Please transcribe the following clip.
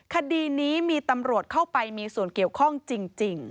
คดีนี้มีตำรวจเข้าไปมีส่วนเกี่ยวข้องจริง